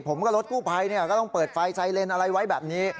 ผมก็ฤสกู้ภัยเนี่ยก็ต้องเปิดไฟไซเรนอะไรไว้แบบนี้